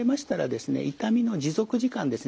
痛みの持続時間ですね。